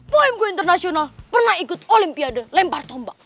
buim gue internasional pernah ikut olympiade lempar tombak